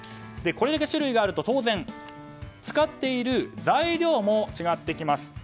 これだけ種類があると当然使っている材料も違ってきます。